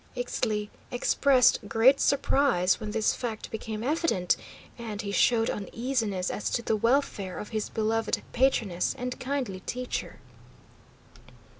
Ixtli expressed great surprise when this fact became evident, and he showed uneasiness as to the welfare of his beloved patroness and kindly teacher.